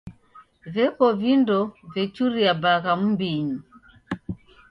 Veko vindo vechuria bagha m'mbinyi.